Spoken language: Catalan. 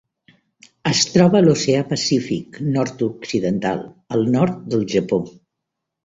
Es troba a l'Oceà Pacífic nord-occidental: el nord del Japó.